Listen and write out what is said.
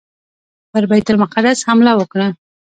پر بیت المقدس حمله وکړه.